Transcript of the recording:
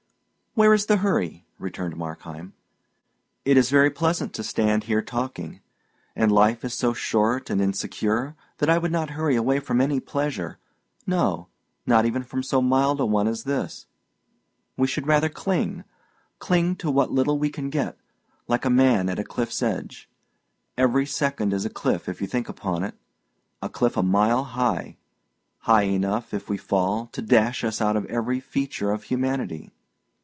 "Where is the hurry?" returned Markheim. "It is very pleasant to stand here talking; and life is so short and insecure that I would not hurry away from any pleasure no, not even from so mild a one as this. We should rather cling, cling to what little we can get, like a man at a cliff's edge. Every second is a cliff, if you think upon it a cliff a mile high high enough, if we fall, to dash us out of every feature of humanity.